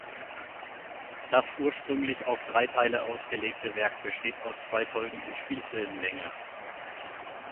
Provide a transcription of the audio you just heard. Das ursprünglich auf drei Teile ausgelegte Werk besteht aus zwei Folgen in Spielfilmlänge.